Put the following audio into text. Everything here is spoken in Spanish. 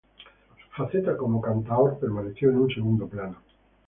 Su faceta como cantaor permaneció en un segundo plano.